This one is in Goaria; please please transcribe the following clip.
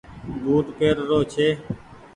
بوٽ پير رو ڇي۔